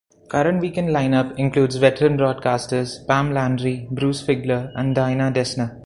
Current weekend lineup includes veteran broadcasters Pam Landry, Bruce Figler, and Dina Dessner.